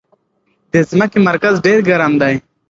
د ځمکې مرکز ډېر ګرم دی.